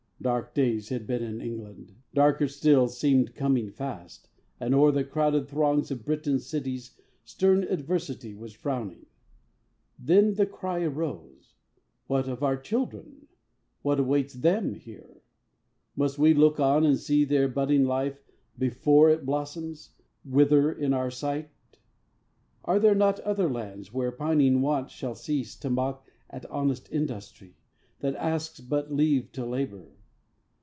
Dark days had been in England. Darker still Seemed coming fast, and o'er the crowded throngs Of Britain's cities, stern adversity Was frowning. Then the cry arose, "What of our children? What awaits them here? Must we look on, and see their budding life, Before it blossoms, wither in our sight? Are there not other lands where pining want Shall cease to mock at honest industry, That asks but leave to labour?